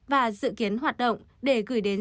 và dự kiến hoạt động để gửi đến